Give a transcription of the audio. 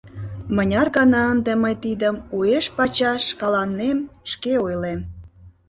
Мыняр гана ынде мый тидым уэш-пачаш шкаланем шке ойлем.